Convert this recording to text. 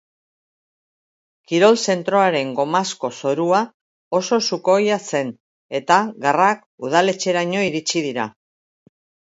Kirol zentroaren gomazko zorua oso sukoia zen, eta garrak udaletxeraino iritsi dira.